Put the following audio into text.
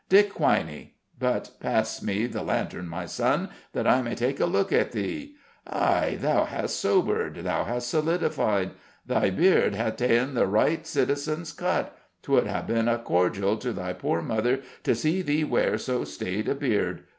Dick Quiney But pass me the lantern, my son, that I may take a look at thee. Ay, thou hast sobered, thou hast solidified: thy beard hath ta'en the right citizen's cut 'twould ha' been a cordial to thy poor mother to see thee wear so staid a beard.